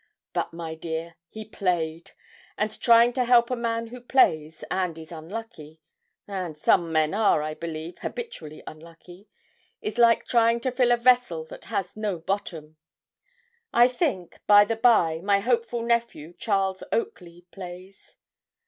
But, my dear, he played; and trying to help a man who plays, and is unlucky and some men are, I believe, habitually unlucky is like trying to fill a vessel that has no bottom. I think, by the by, my hopeful nephew, Charles Oakley, plays.